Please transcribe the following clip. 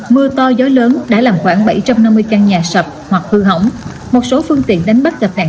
mưa to gió lớn đã làm khoảng bảy trăm năm mươi căn nhà sập hoặc hư hỏng một số phương tiện đánh bắt gặp nạn